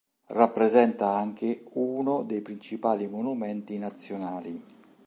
Rappresenta anche uno dei principali monumenti nazionali.